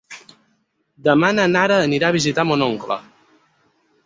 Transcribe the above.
Demà na Nara anirà a visitar mon oncle.